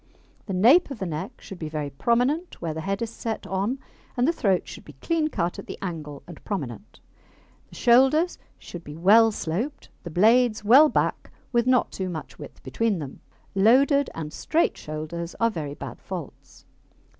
The nape of the neck should be very prominent where the head is set on, and the throat should be clean cut at the angle and prominent. The shoulders should be well sloped, the blades well back, with not too much width between them. Loaded and straight shoulders are very bad faults.